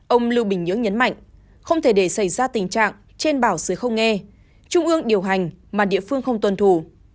ông lưu bình nhưỡng nhấn mạnh không thể để xảy ra tình trạng trên bảo xử không nghe trung ương điều hành mà địa phương không tuân thủ